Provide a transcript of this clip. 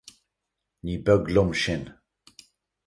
Ní beag liom sin.